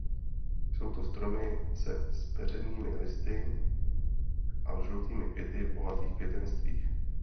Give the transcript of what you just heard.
Jsou to stromy se zpeřenými listy a žlutými květy v bohatých květenstvích.